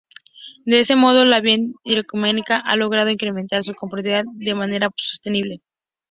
De este modo, la vía interoceánica ha logrado incrementar su competitividad de manera sostenible.